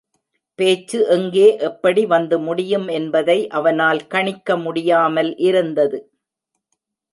பேச்சு எங்கே எப்படி வந்து முடியும் என்பதை அவனால் கணிக்க முடியாமல் இருந்தது.